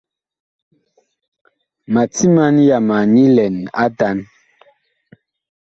Ma timan yama nyi lɛn atan.